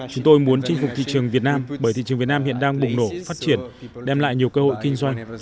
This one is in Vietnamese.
chúng tôi muốn chinh phục thị trường việt nam bởi thị trường việt nam hiện đang bùng nổ phát triển đem lại nhiều cơ hội kinh doanh